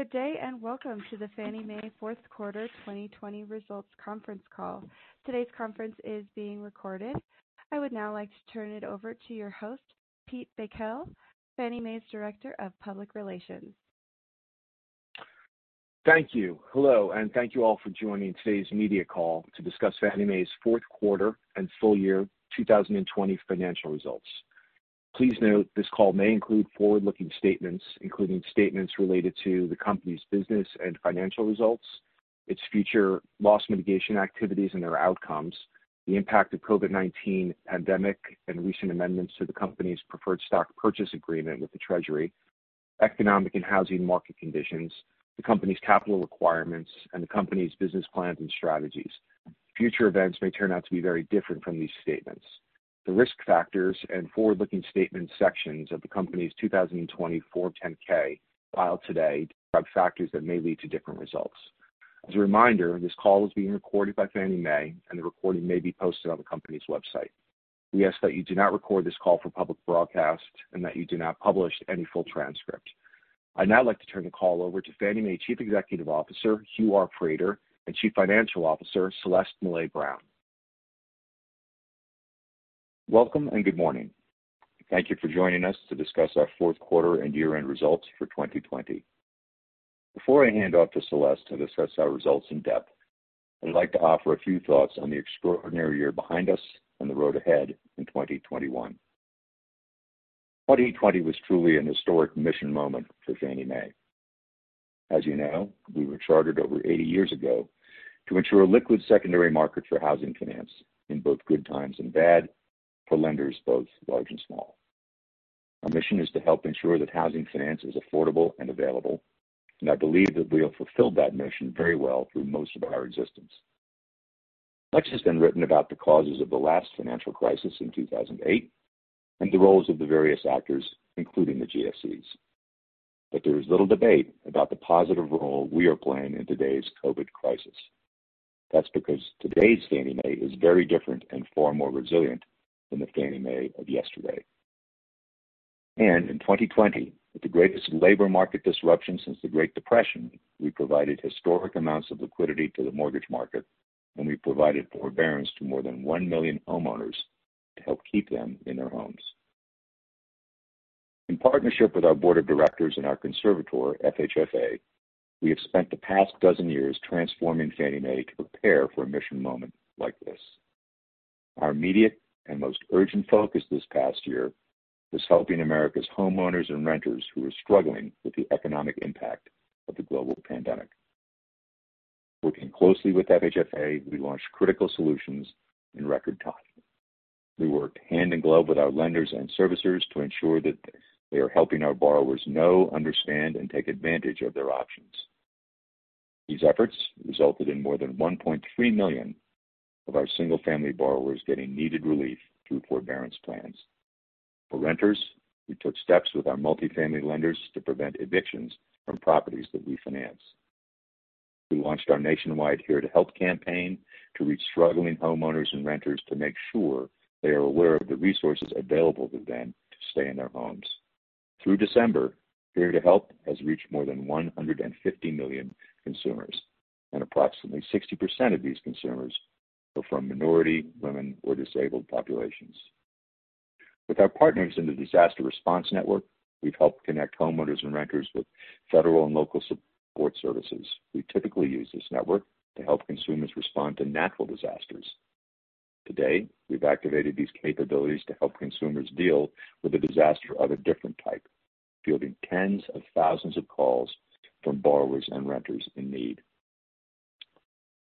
Good day, welcome to the Fannie Mae fourth quarter 2020 results conference call. Today's conference is being recorded. I would now like to turn it over to your host, Pete Bakel, Fannie Mae's Director of Public Relations. Thank you. Hello, thank you all for joining today's media call to discuss Fannie Mae's fourth quarter and full year 2020 financial results. Please note, this call may include forward-looking statements, including statements related to the company's business and financial results, its future loss mitigation activities and their outcomes, the impact of COVID-19 pandemic and recent amendments to the company's Preferred Stock Purchase Agreement with the Treasury, economic and housing market conditions, the company's capital requirements, and the company's business plans and strategies. Future events may turn out to be very different from these statements. The Risk Factors and Forward-Looking Statements sections of the Company's 2020 Form 10-K filed today describe factors that may lead to different results. As a reminder, this call is being recorded by Fannie Mae, and the recording may be posted on the company's website. We ask that you do not record this call for public broadcast, and that you do not publish any full transcript. I'd now like to turn the call over to Fannie Mae Chief Executive Officer, Hugh R. Frater, and Chief Financial Officer, Celeste Mellet Brown. Welcome, and good morning. Thank you for joining us to discuss our fourth quarter and year-end results for 2020. Before I hand off to Celeste to discuss our results in depth, I'd like to offer a few thoughts on the extraordinary year behind us and the road ahead in 2021. 2020 was truly an historic mission moment for Fannie Mae. As you know, we were chartered over 80 years ago to ensure a liquid secondary market for housing finance in both good times and bad for lenders both large and small. Our mission is to help ensure that housing finance is affordable and available, and I believe that we have fulfilled that mission very well through most of our existence. Much has been written about the causes of the last financial crisis in 2008 and the roles of the various actors, including the GSEs. There is little debate about the positive role we are playing in today's COVID crisis. That's because today's Fannie Mae is very different and far more resilient than the Fannie Mae of yesterday. In 2020, with the greatest labor market disruption since the Great Depression, we provided historic amounts of liquidity to the mortgage market, and we provided forbearance to more than 1 million homeowners to help keep them in their homes. In partnership with our Board of Directors and our conservator, FHFA, we have spent the past 12 years transforming Fannie Mae to prepare for a mission moment like this. Our immediate and most urgent focus this past year was helping America's homeowners and renters who were struggling with the economic impact of the global pandemic. Working closely with FHFA, we launched critical solutions in record time. We worked hand in glove with our lenders and servicers to ensure that they are helping our borrowers know, understand, and take advantage of their options. These efforts resulted in more than 1.3 million of our single-family borrowers getting needed relief through forbearance plans. For renters, we took steps with our multifamily lenders to prevent evictions from properties that we finance. We launched our nationwide Here to Help campaign to reach struggling homeowners and renters to make sure they are aware of the resources available to them to stay in their homes. Through December, Here to Help has reached more than 150 million consumers, and approximately 60% of these consumers are from minority, women, or disabled populations. With our partners in the Disaster Response Network, we've helped connect homeowners and renters with federal and local support services. We typically use this network to help consumers respond to natural disasters. Today, we've activated these capabilities to help consumers deal with a disaster of a different type, fielding tens of thousands of calls from borrowers and renters in need.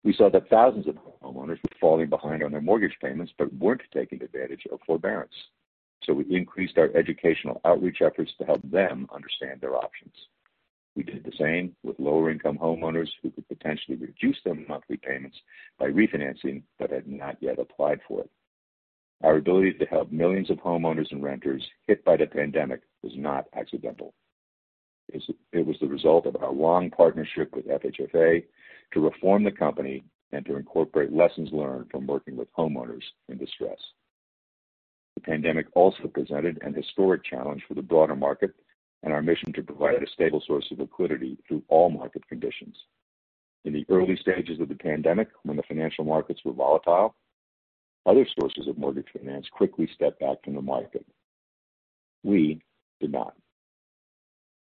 We saw that thousands of homeowners were falling behind on their mortgage payments but weren't taking advantage of forbearance. We increased our educational outreach efforts to help them understand their options. We did the same with lower-income homeowners who could potentially reduce their monthly payments by refinancing but had not yet applied for it. Our ability to help millions of homeowners and renters hit by the pandemic was not accidental. It was the result of our long partnership with FHFA to reform the company and to incorporate lessons learned from working with homeowners in distress. The pandemic also presented an historic challenge for the broader market and our mission to provide a stable source of liquidity through all market conditions. In the early stages of the pandemic, when the financial markets were volatile, other sources of mortgage finance quickly stepped back from the market. We did not.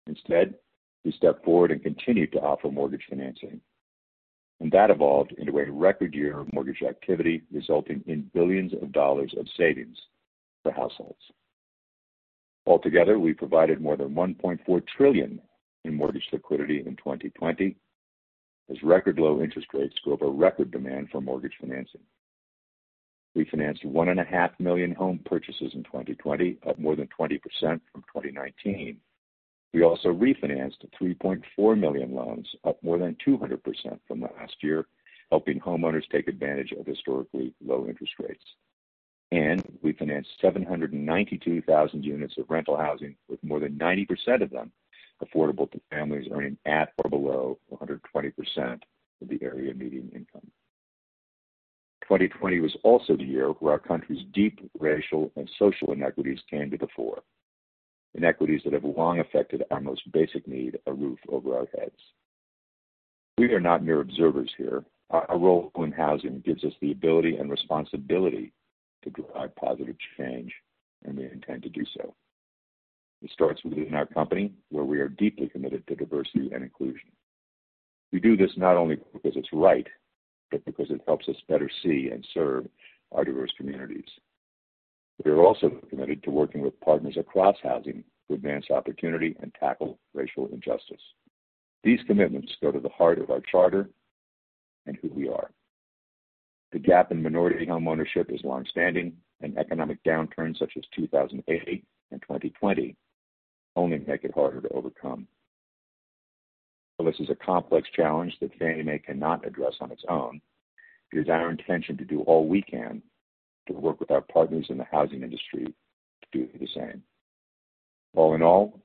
Instead, we stepped forward and continued to offer mortgage financing, and that evolved into a record year of mortgage activity, resulting in billions of dollars of savings for households. Altogether, we provided more than $1.4 trillion in mortgage liquidity in 2020, as record low interest rates drove a record demand for mortgage financing. We financed 1.5 million home purchases in 2020, up more than 20% from 2019. We also refinanced 3.4 million loans, up more than 200% from last year, helping homeowners take advantage of historically low interest rates. We financed 792,000 units of rental housing, with more than 90% of them affordable to families earning at or below 120% of the area median income. 2020 was also the year where our country's deep racial and social inequities came to the fore. Inequities that have long affected our most basic need, a roof over our heads. We are not mere observers here. Our role in housing gives us the ability and responsibility to drive positive change, and we intend to do so. It starts within our company, where we are deeply committed to diversity and inclusion. We do this not only because it's right, but because it helps us better see and serve our diverse communities. We are also committed to working with partners across housing to advance opportunity and tackle racial injustice. These commitments go to the heart of our charter and who we are. The gap in minority homeownership is longstanding, economic downturns such as 2008 and 2020 only make it harder to overcome. While this is a complex challenge that Fannie Mae cannot address on its own, it is our intention to do all we can to work with our partners in the housing industry to do the same. All in all,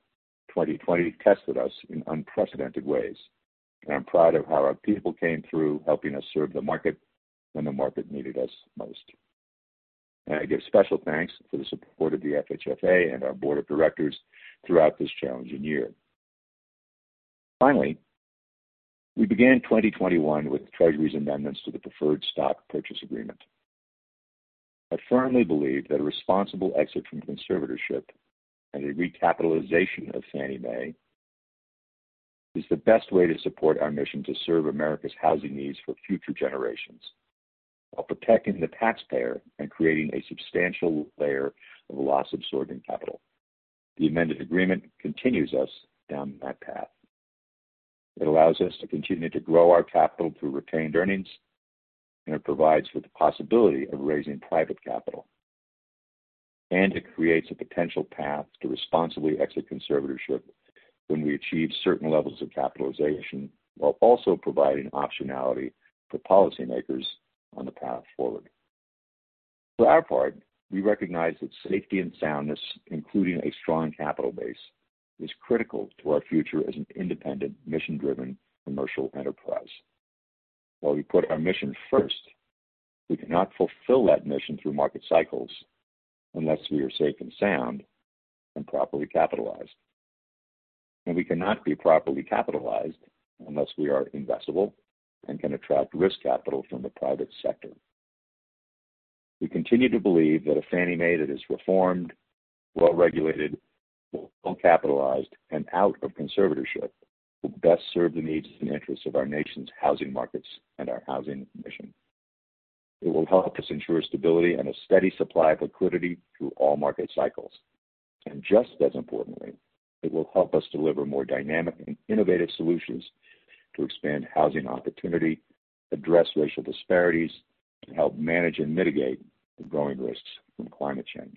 2020 tested us in unprecedented ways, I'm proud of how our people came through, helping us serve the market when the market needed us most. I give special thanks for the support of the FHFA and our Board of Directors throughout this challenging year. Finally, we began 2021 with Treasury's amendments to the Preferred Stock Purchase Agreement. I firmly believe that a responsible exit from conservatorship and a recapitalization of Fannie Mae is the best way to support our mission to serve America's housing needs for future generations while protecting the taxpayer and creating a substantial layer of loss-absorbing capital. The amended agreement continues us down that path. It allows us to continue to grow our capital through retained earnings, and it provides for the possibility of raising private capital. It creates a potential path to responsibly exit conservatorship when we achieve certain levels of capitalization, while also providing optionality for policymakers on the path forward. For our part, we recognize that safety and soundness, including a strong capital base, is critical to our future as an independent, mission-driven commercial enterprise. While we put our mission first, we cannot fulfill that mission through market cycles unless we are safe and sound and properly capitalized. We cannot be properly capitalized unless we are investable and can attract risk capital from the private sector. We continue to believe that a Fannie Mae that is reformed, well-regulated, well-capitalized, and out of conservatorship will best serve the needs and interests of our nation's housing markets and our housing mission. It will help us ensure stability and a steady supply of liquidity through all market cycles. Just as importantly, it will help us deliver more dynamic and innovative solutions to expand housing opportunity, address racial disparities, and help manage and mitigate the growing risks from climate change.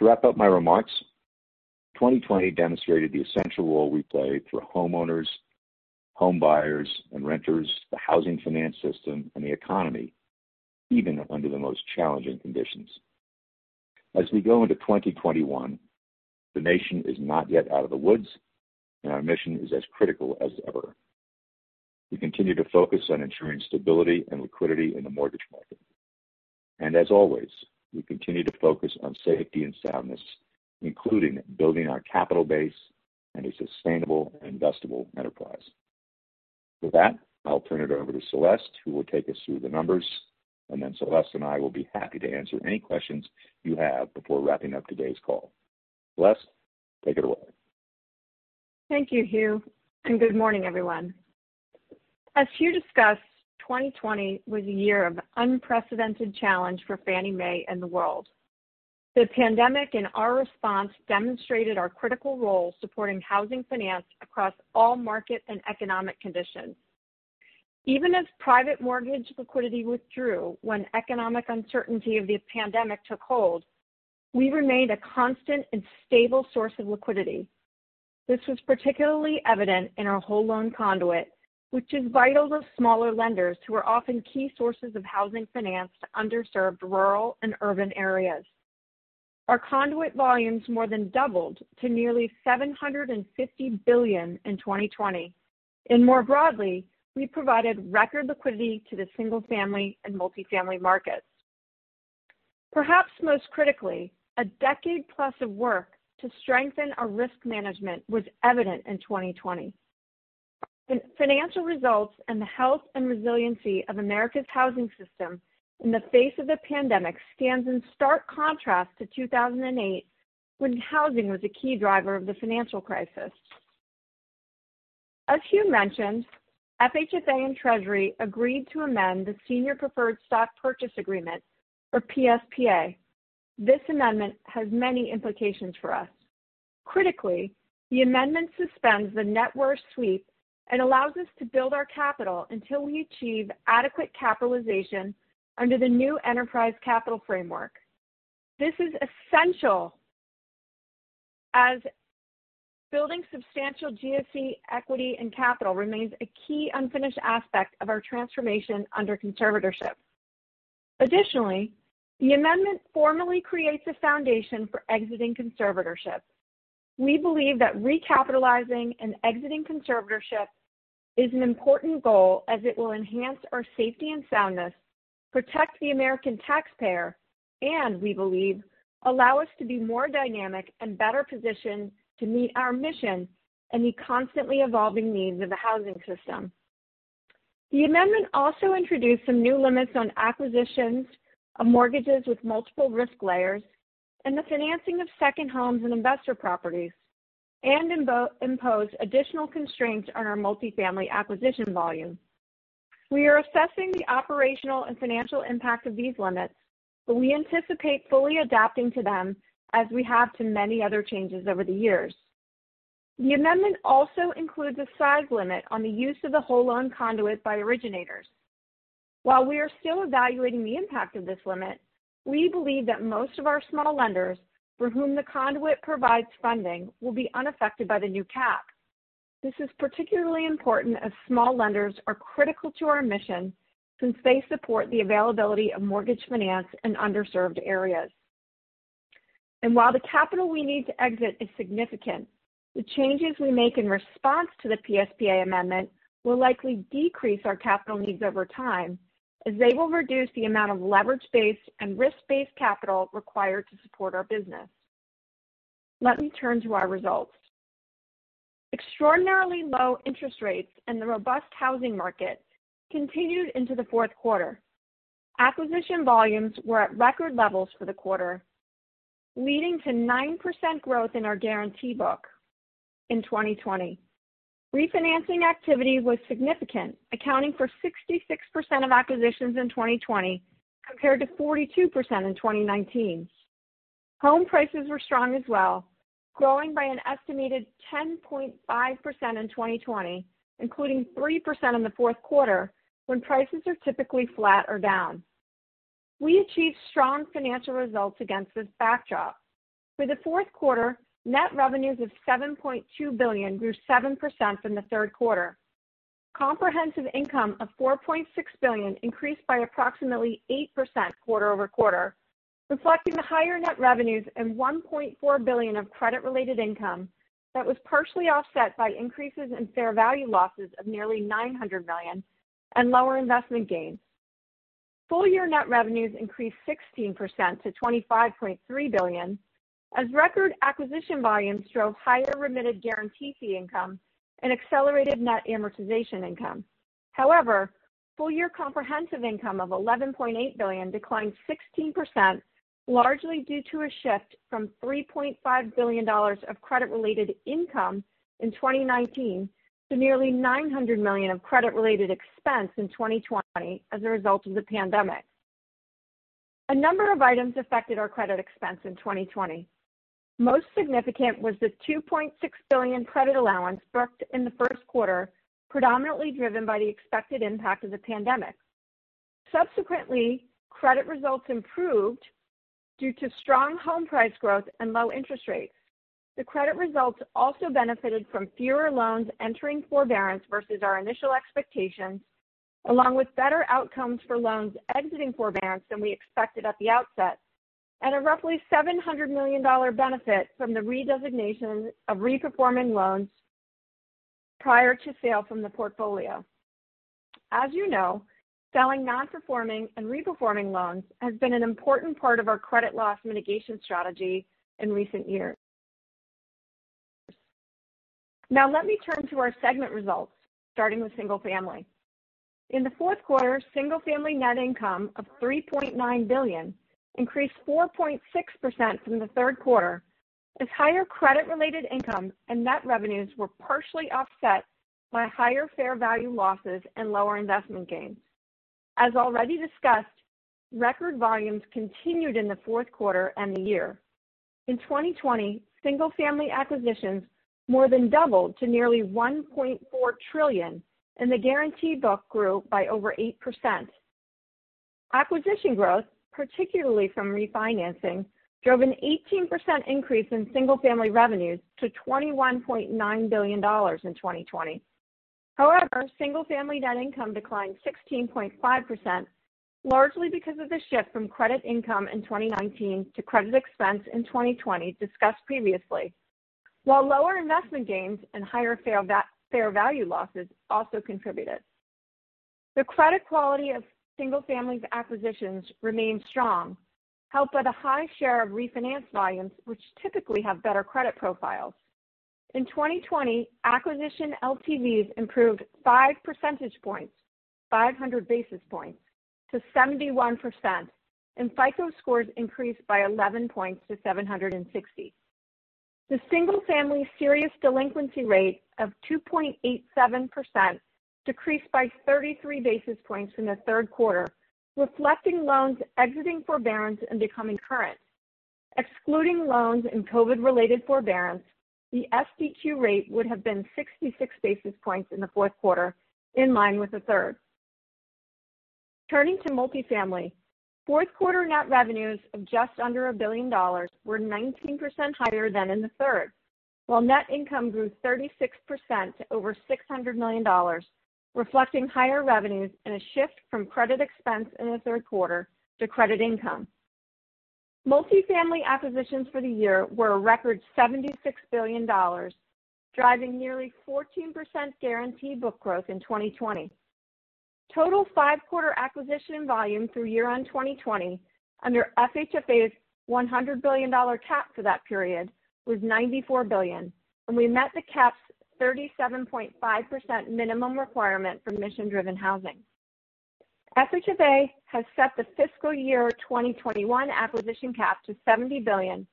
To wrap up my remarks, 2020 demonstrated the essential role we play for homeowners, home buyers, and renters, the housing finance system, and the economy, even under the most challenging conditions. As we go into 2021, the nation is not yet out of the woods, and our mission is as critical as ever. We continue to focus on ensuring stability and liquidity in the mortgage market. As always, we continue to focus on safety and soundness, including building our capital base and a sustainable and investable enterprise. With that, I'll turn it over to Celeste, who will take us through the numbers. Then Celeste and I will be happy to answer any questions you have before wrapping up today's call. Celeste, take it away. Thank you, Hugh. Good morning, everyone. As Hugh discussed, 2020 was a year of unprecedented challenge for Fannie Mae and the world. The pandemic and our response demonstrated our critical role supporting housing finance across all markets and economic conditions. Even as private mortgage liquidity withdrew when economic uncertainty of the pandemic took hold, we remained a constant and stable source of liquidity. This was particularly evident in our whole loan conduit, which is vital to smaller lenders who are often key sources of housing finance to underserved rural and urban areas. Our conduit volumes more than doubled to nearly $750 billion in 2020. More broadly, we provided record liquidity to the single-family and multi-family markets. Perhaps most critically, a decade plus of work to strengthen our risk management was evident in 2020. The financial results and the health and resiliency of America's housing system in the face of the pandemic stands in stark contrast to 2008, when housing was a key driver of the financial crisis. As Hugh mentioned, FHFA and Treasury agreed to amend the Senior Preferred Stock Purchase Agreement or PSPA. This amendment has many implications for us. Critically, the amendment suspends the net worth sweep and allows us to build our capital until we achieve adequate capitalization under the new enterprise capital framework. This is essential as building substantial GSE equity and capital remains a key unfinished aspect of our transformation under conservatorship. Additionally, the amendment formally creates a foundation for exiting conservatorship. We believe that recapitalizing and exiting conservatorship is an important goal as it will enhance our safety and soundness, protect the American taxpayer, and we believe allow us to be more dynamic and better positioned to meet our mission and the constantly evolving needs of the housing system. The amendment also introduced some new limits on acquisitions of mortgages with multiple risk layers and the financing of second homes and investor properties, and impose additional constraints on our multifamily acquisition volume. We are assessing the operational and financial impact of these limits, but we anticipate fully adapting to them as we have to many other changes over the years. The amendment also includes a size limit on the use of the whole loan conduit by originators. While we are still evaluating the impact of this limit, we believe that most of our small lenders, for whom the conduit provides funding, will be unaffected by the new cap. This is particularly important as small lenders are critical to our mission since they support the availability of mortgage finance in underserved areas. While the capital we need to exit is significant, the changes we make in response to the PSPA amendment will likely decrease our capital needs over time as they will reduce the amount of leverage-based and risk-based capital required to support our business. Let me turn to our results. Extraordinarily low interest rates and the robust housing market continued into the fourth quarter. Acquisition volumes were at record levels for the quarter, leading to 9% growth in our guaranty book in 2020. Refinancing activity was significant, accounting for 66% of acquisitions in 2020 compared to 42% in 2019. Home prices were strong as well, growing by an estimated 10.5% in 2020, including 3% in the fourth quarter, when prices are typically flat or down. We achieved strong financial results against this backdrop. For the fourth quarter, net revenues of $7.2 billion grew 7% from the third quarter. Comprehensive income of $4.6 billion increased by approximately 8% quarter-over-quarter, reflecting the higher net revenues and $1.4 billion of credit-related income that was partially offset by increases in fair value losses of nearly $900 million and lower investment gains. Full year net revenues increased 16% to $25.3 billion as record acquisition volumes drove higher remitted guaranty fee income and accelerated net amortization income. However, full year comprehensive income of $11.8 billion declined 16%, largely due to a shift from $3.5 billion of credit-related income in 2019 to nearly $900 million of credit-related expense in 2020 as a result of the pandemic. A number of items affected our credit expense in 2020. Most significant was the $2.6 billion credit allowance booked in the first quarter, predominantly driven by the expected impact of the pandemic. Credit results improved due to strong home price growth and low interest rates. The credit results also benefited from fewer loans entering forbearance versus our initial expectations, along with better outcomes for loans exiting forbearance than we expected at the outset, and a roughly $700 million benefit from the redesignation of reperforming loans prior to sale from the portfolio. As you know, selling non-performing and reperforming loans has been an important part of our credit loss mitigation strategy in recent years. Now let me turn to our segment results, starting with Single Family. In the fourth quarter, Single Family net income of $3.9 billion increased 4.6% from the third quarter as higher credit-related income and net revenues were partially offset by higher fair value losses and lower investment gains. As already discussed, record volumes continued in the fourth quarter and the year. In 2020, Single Family acquisitions more than doubled to nearly $1.4 trillion, and the guaranty book grew by over 8%. Acquisition growth, particularly from refinancing, drove an 18% increase in Single Family revenues to $21.9 billion in 2020. However, Single Family net income declined 16.5%, largely because of the shift from credit income in 2019 to credit expense in 2020 discussed previously. Lower investment gains and higher fair value losses also contributed. The credit quality of single family acquisitions remained strong, helped by the high share of refinance volumes, which typically have better credit profiles. In 2020, acquisition LTVs improved 5 percentage points, 500 basis points to 71%, and FICO scores increased by 11 points to 760 basis points. The single family serious delinquency rate of 2.87% decreased by 33 basis points from the third quarter, reflecting loans exiting forbearance and becoming current. Excluding loans in COVID-19 related forbearance, the SDQ rate would have been 66 basis points in the fourth quarter, in line with the third quarter. Turning to multifamily. Fourth quarter net revenues of just under $1 billion were 19% higher than in the third quarter. Net income grew 36% to over $600 million, reflecting higher revenues and a shift from credit expense in the third quarter to credit income. Multifamily acquisitions for the year were a record $76 billion, driving nearly 14% guaranty book growth in 2020. Total five-quarter acquisition volume through year-end 2020, under FHFA's $100 billion cap for that period, was $94 billion, and we met the cap's 37.5% minimum requirement for mission-driven housing. FHFA has set the fiscal year 2021 acquisition cap to $70 billion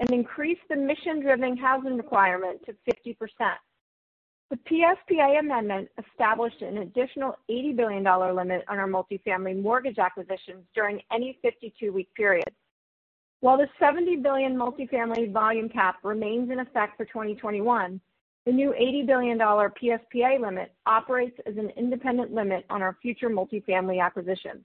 and increased the mission-driven housing requirement to 50%. The PSPA amendment established an additional $80 billion limit on our multifamily mortgage acquisitions during any 52-week period. While the $70 billion multifamily volume cap remains in effect for 2021, the new $80 billion PSPA limit operates as an independent limit on our future multifamily acquisitions.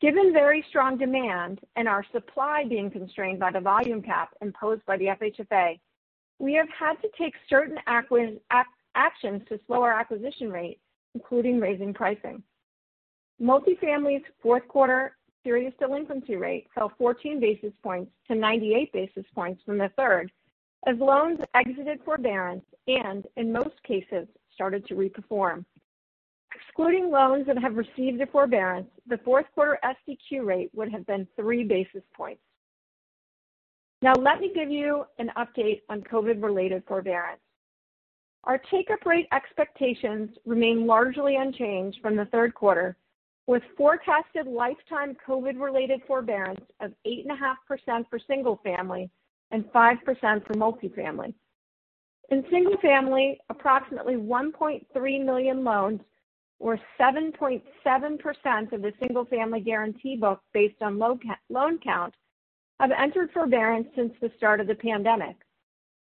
Given very strong demand and our supply being constrained by the volume cap imposed by the FHFA, we have had to take certain actions to slow our acquisition rate, including raising pricing. Multifamily's fourth quarter serious delinquency rate fell 14 basis points to 98 basis points from the third, as loans exited forbearance and, in most cases, started to reperform. Excluding loans that have received a forbearance, the fourth quarter SDQ rate would have been three basis points. Now let me give you an update on COVID-19-related forbearance. Our take-up rate expectations remain largely unchanged from the third quarter, with forecasted lifetime COVID-19-related forbearance of 8.5% for single-family and 5% for multifamily. In single-family, approximately 1.3 million loans or 7.7% of the single-family guaranty book based on loan count have entered forbearance since the start of the pandemic.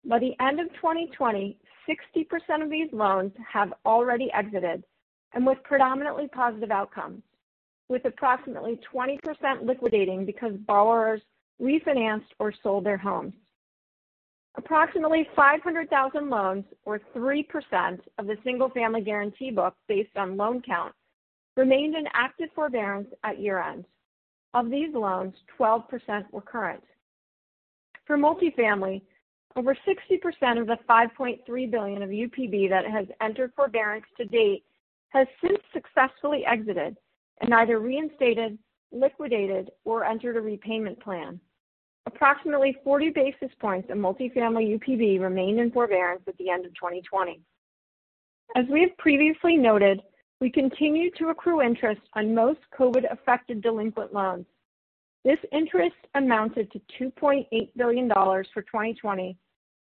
By the end of 2020, 60% of these loans have already exited, and with predominantly positive outcomes, with approximately 20% liquidating because borrowers refinanced or sold their homes. Approximately 500,000 loans or 3% of the single-family guaranty book based on loan count remained in active forbearance at year-end. Of these loans, 12% were current. For multifamily, over 60% of the $5.3 billion of UPB that has entered forbearance to date has since successfully exited and either reinstated, liquidated, or entered a repayment plan. Approximately 40 basis points of multifamily UPB remained in forbearance at the end of 2020. As we have previously noted, we continue to accrue interest on most COVID-affected delinquent loans. This interest amounted to $2.8 billion for 2020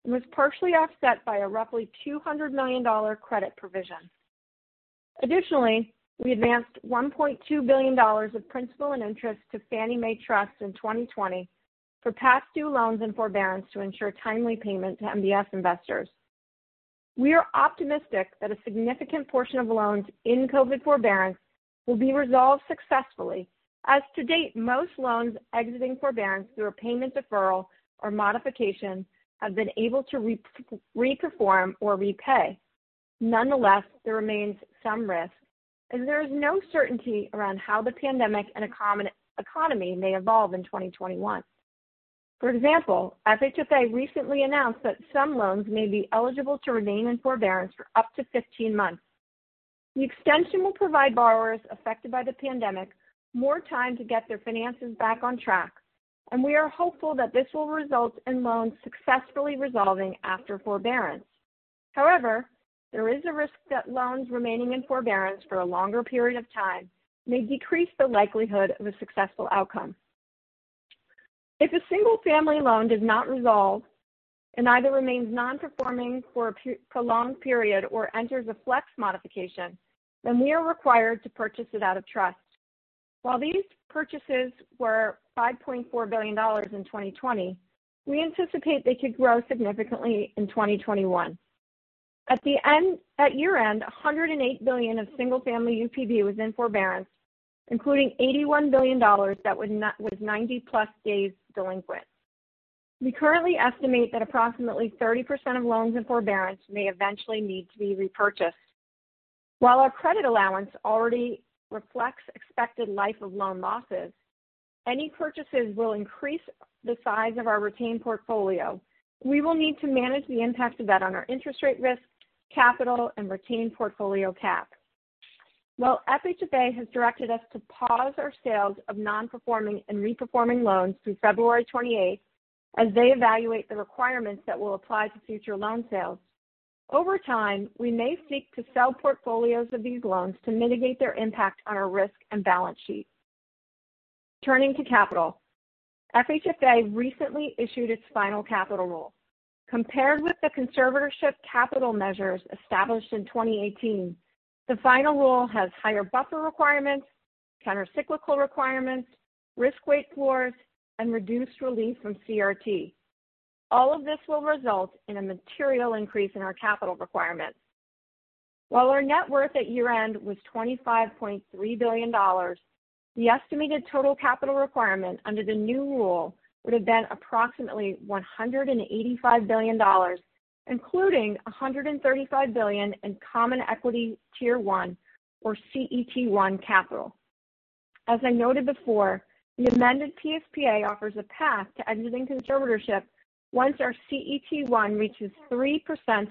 and was partially offset by a roughly $200 million credit provision. Additionally, we advanced $1.2 billion of principal and interest to Fannie Mae Trust in 2020 for past due loans in forbearance to ensure timely payment to MBS investors. We are optimistic that a significant portion of loans in COVID forbearance will be resolved successfully, as to date, most loans exiting forbearance through a payment deferral or modification have been able to reperform or repay. Nonetheless, there remains some risk, and there is no certainty around how the pandemic and economy may evolve in 2021. For example, FHFA recently announced that some loans may be eligible to remain in forbearance for up to 15 months. The extension will provide borrowers affected by the pandemic more time to get their finances back on track, and we are hopeful that this will result in loans successfully resolving after forbearance. However, there is a risk that loans remaining in forbearance for a longer period of time may decrease the likelihood of a successful outcome. If a single-family loan does not resolve and either remains non-performing for a prolonged period or enters a Flex Modification, then we are required to purchase it out of trust. While these purchases were $5.4 billion in 2020, we anticipate they could grow significantly in 2021. At year-end, $108 billion of single-family UPB was in forbearance, including $81 billion that was 90+ days delinquent. We currently estimate that approximately 30% of loans in forbearance may eventually need to be repurchased. While our credit allowance already reflects expected life of loan losses, any purchases will increase the size of our retained portfolio. We will need to manage the impact of that on our interest rate risk, capital, and retained portfolio cap. While FHFA has directed us to pause our sales of non-performing and reperforming loans through February 28th as they evaluate the requirements that will apply to future loan sales. Over time, we may seek to sell portfolios of these loans to mitigate their impact on our risk and balance sheet. Turning to capital. FHFA recently issued its final capital rule. Compared with the conservatorship capital measures established in 2018, the final rule has higher buffer requirements, countercyclical requirements, risk-weight floors, and reduced relief from CRT. All of this will result in a material increase in our capital requirements. While our net worth at year-end was $25.3 billion, the estimated total capital requirement under the new rule would have been approximately $185 billion, including $135 billion in Common Equity Tier 1, or CET1 capital. As I noted before, the amended PSPA offers a path to exiting conservatorship once our CET1 reaches 3%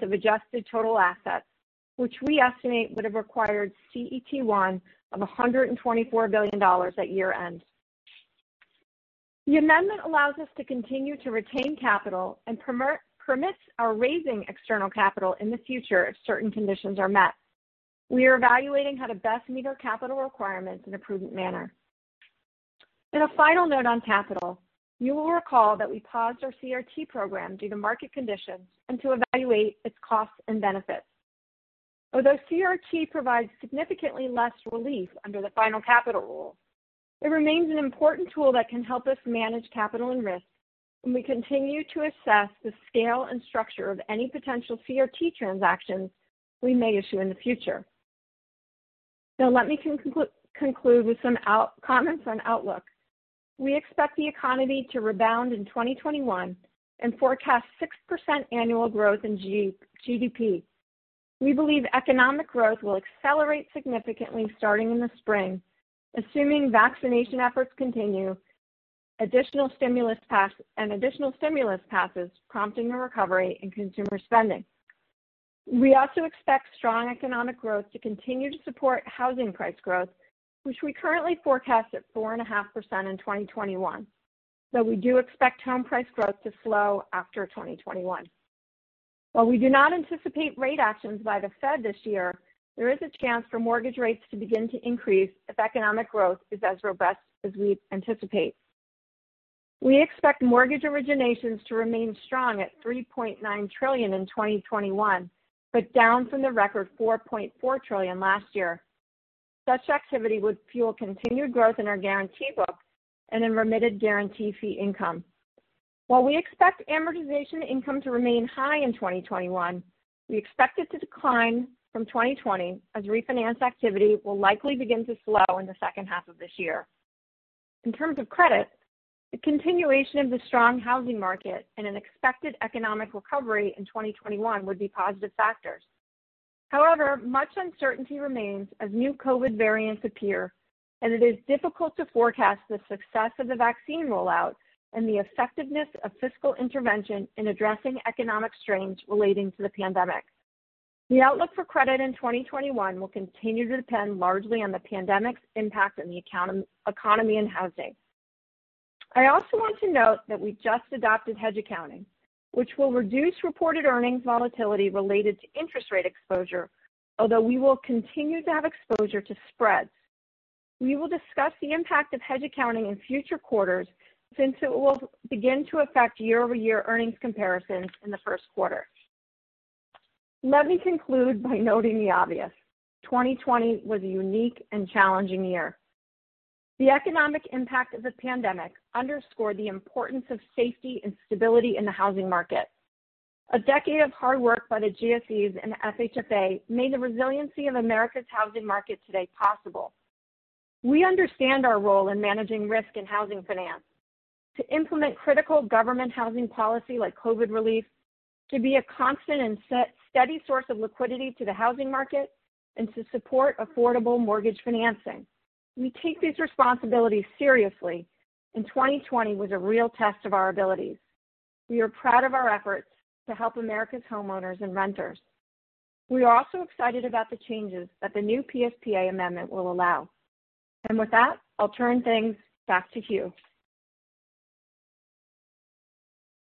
of adjusted total assets, which we estimate would have required CET1 of $124 billion at year-end. The amendment allows us to continue to retain capital and permits our raising external capital in the future if certain conditions are met. We are evaluating how to best meet our capital requirements in a prudent manner. In a final note on capital, you will recall that we paused our CRT program due to market conditions and to evaluate its costs and benefits. Although CRT provides significantly less relief under the final capital rule, it remains an important tool that can help us manage capital and risk, and we continue to assess the scale and structure of any potential CRT transactions we may issue in the future. Now let me conclude with some comments on outlook. We expect the economy to rebound in 2021 and forecast 6% annual growth in GDP. We believe economic growth will accelerate significantly starting in the spring, assuming vaccination efforts continue, and additional stimulus passes, prompting a recovery in consumer spending. We also expect strong economic growth to continue to support housing price growth, which we currently forecast at 4.5% in 2021, though we do expect home price growth to slow after 2021. While we do not anticipate rate actions by the Fed this year, there is a chance for mortgage rates to begin to increase if economic growth is as robust as we anticipate. We expect mortgage originations to remain strong at $3.9 trillion in 2021, but down from the record $4.4 trillion last year. Such activity would fuel continued growth in our guaranty book and in remitted guaranty fee income. While we expect amortization income to remain high in 2021, we expect it to decline from 2020 as refinance activity will likely begin to slow in the second half of this year. In terms of credit, the continuation of the strong housing market and an expected economic recovery in 2021 would be positive factors. However, much uncertainty remains as new COVID-19 variants appear, and it is difficult to forecast the success of the vaccine rollout and the effectiveness of fiscal intervention in addressing economic strains relating to the pandemic. The outlook for credit in 2021 will continue to depend largely on the pandemic's impact on the economy and housing. I also want to note that we just adopted hedge accounting, which will reduce reported earnings volatility related to interest rate exposure, although we will continue to have exposure to spreads. We will discuss the impact of hedge accounting in future quarters since it will begin to affect year-over-year earnings comparisons in the first quarter. Let me conclude by noting the obvious: 2020 was a unique and challenging year. The economic impact of the pandemic underscored the importance of safety and stability in the housing market. A decade of hard work by the GSEs and FHFA made the resiliency of America's housing market today possible. We understand our role in managing risk in housing finance. To implement critical government housing policy like COVID relief, to be a constant and steady source of liquidity to the housing market, and to support affordable mortgage financing. We take these responsibilities seriously, and 2020 was a real test of our abilities. We are proud of our efforts to help America's homeowners and renters. We are also excited about the changes that the new PSPA amendment will allow. With that, I'll turn things back to Hugh.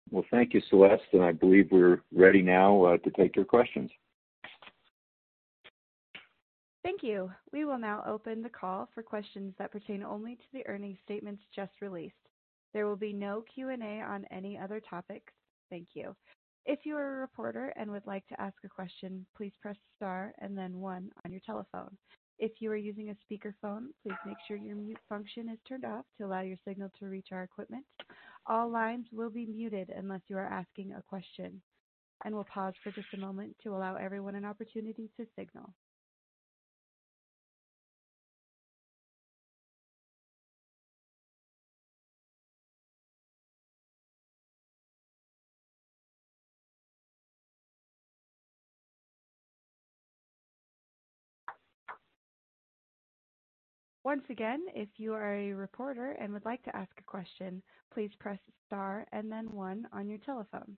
Well, thank you, Celeste. I believe we're ready now to take your questions. Thank you. We will now open the call for questions that pertain only to the earnings statements just released. There will be no Q&A on any other topics. Thank you. If you are a reporter and would like to ask a question, please press star and then one on your telephone. If you are using a speakerphone, please make sure your mute function is turned off to allow your signal to reach our equipment. All lines will be muted unless you are asking a question. We'll pause for just a moment to allow everyone an opportunity to signal. Once again, if you are a reporter and would like to ask a question, please press star and then one on your telephone.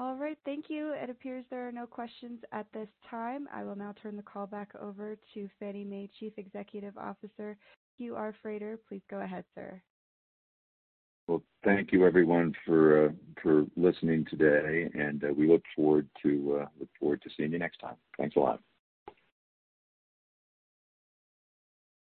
All right. Thank you. It appears there are no questions at this time. I will now turn the call back over to Fannie Mae Chief Executive Officer, Hugh R. Frater. Please go ahead, sir. Well, thank you everyone for listening today, and we look forward to seeing you next time. Thanks a lot.